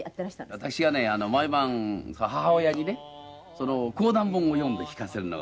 私はね毎晩母親にね講談本を読んで聞かせるのが。